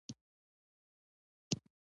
کوتره د مینې مرغه ده.